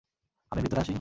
আমি ভিতরে আসি?